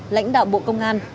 lãnh đạo bộ công an